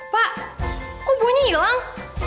pak kok bunyi yang